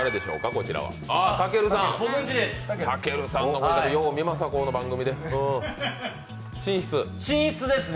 たけるさんのご自宅、よう見ますわ、この番組で。